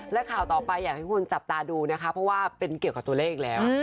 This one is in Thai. และข่าวต่อไปอยากให้คุณจับตาดูนะคะเพราะว่าเป็นเกี่ยวกับตัวเลขแล้ว